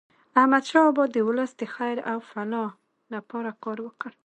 احمدشاه بابا د ولس د خیر او فلاح لپاره کار وکړ.